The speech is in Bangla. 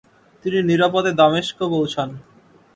তিনি নিরাপদে দামেস্ক পৌঁছান।